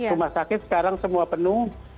rumah sakit sekarang semua penuh